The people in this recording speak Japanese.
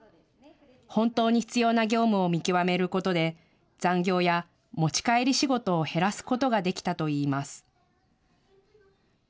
本当に必要な業務を見極めることで残業や持ち帰り仕事を減らすことができたといいます。